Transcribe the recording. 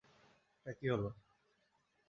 এটা কী হলো?